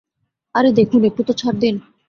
আরে দেখুন, একটু তো ছাড় দিন।